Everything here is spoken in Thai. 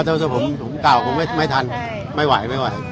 แต่ว่าผมผมก่าวผมไม่ทันไม่ไหวไม่ไหวไม่โตจำไม่รู้ดีหรอก